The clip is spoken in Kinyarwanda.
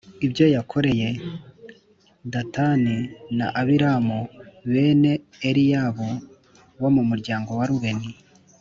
ibyo yakoreye datani na abiramu, bene eliyabu wo mu muryango wa rubeni: